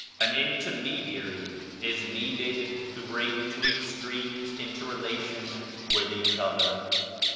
An intermediary is needed to bring two extremes into relation with each other.